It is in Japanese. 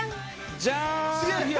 じゃーん。